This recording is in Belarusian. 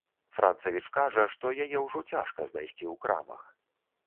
Францавіч кажа, што яе ўжо цяжка знайсці ў крамах.